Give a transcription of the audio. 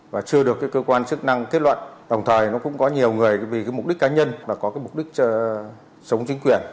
và chưa được cơ quan chức năng